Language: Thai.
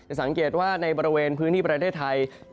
สังเกตว่าในบริเวณพื้นที่ประเทศไทย